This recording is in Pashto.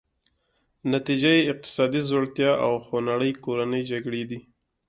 نتیجه یې اقتصادي ځوړتیا او خونړۍ کورنۍ جګړې دي.